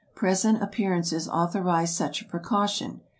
Present appearances authorized such a precaution.